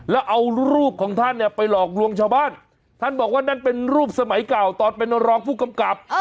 แล้วเอารูปของท่านเนี่ยไปหลอกลวงชาวบ้านท่านบอกว่านั่นเป็นรูปสมัยเก่าตอนเป็นรองผู้กำกับ